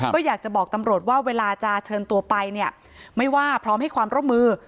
ก็อยากจะบอกตำรวจว่าเวลาจะเชิญตัวไปเนี่ยไม่ว่าพร้อมให้ความร่วมมือ